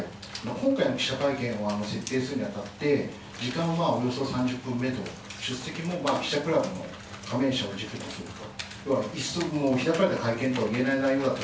今回の記者会見を設定するにあたって、時間はおよそ３０分メド、出席も記者クラブの加盟しゃを軸にすると。